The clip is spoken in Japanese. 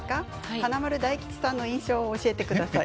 華丸・大吉さんの印象を教えてください。